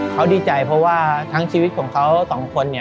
เขาดีใจเพราะว่าทั้งชีวิตของเขา๒คน